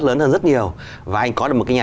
lớn hơn rất nhiều và anh có được một cái nhà